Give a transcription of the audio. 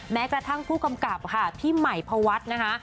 แม้กระทั่งผู้กำกับค่ะพี่ใหม่พวัฒน์นะคะ